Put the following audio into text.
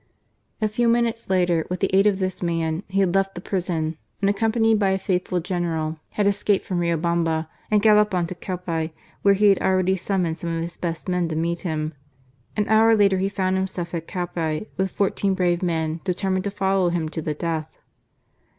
A few minutes later, with the aid of this man, he had left the prison, and accompanied by a faithful general, had escaped from Riobamba and galloped on to Calpi, where he had already summoned some of his best men to meet him. An hour later he found himself at Calpi with fourteen brave men determined to follow him to the death.